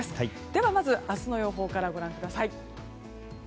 では、まず明日の予報からご覧ください。